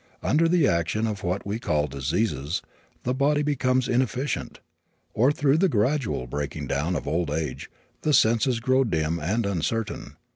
Under the action of what we call "diseases" the body becomes inefficient, or through the gradual breaking down of old age the senses grow dim and uncertain.